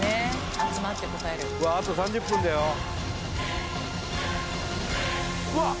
集まって答えるわあと３０分だようわっ！